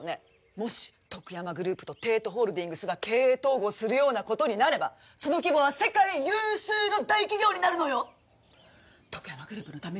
もしとくやまグループと帝都ホールディングスが経営統合するような事になればその規模は世界有数の大企業になるのよ！とくやまグループのためにも坊ちゃんのためにも！